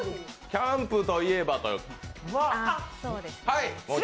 キャンプといえばという。